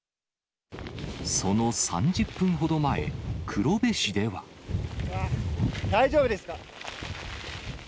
その３０分ほど前、黒部市で大丈夫ですか。